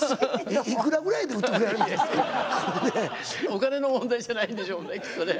お金の問題じゃないんでしょうねきっとね。